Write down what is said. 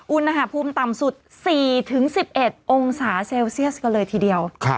อุณหภูมิต่ำสุด๔๑๑องศาเซลเซียสกันเลยทีเดียว